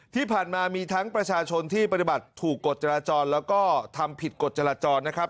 ที่ผ่านมามีทั้งประชาชนที่ปฏิบัติถูกกฎจราจรแล้วก็ทำผิดกฎจราจรนะครับ